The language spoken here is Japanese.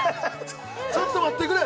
ちょっと待ってくれ！